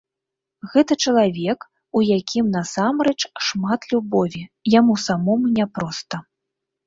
Гэта чалавек, у якім насамрэч шмат любові, яму самому няпроста.